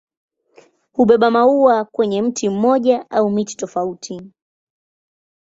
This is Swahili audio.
Hubeba maua kwenye mti mmoja au miti tofauti.